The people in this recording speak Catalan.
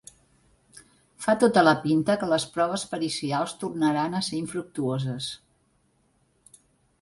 Fa tota la pinta que les proves pericials tornaran a ser infructuoses.